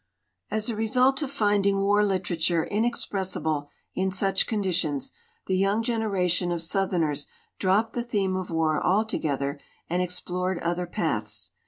"As a result of finding war literature inex pressible in such conditions, the young generation of Southerners dropped the theme of war alto gether and explored other paths.